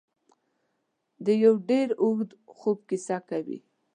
د یو ډېر اوږده خوب کیسه کوي.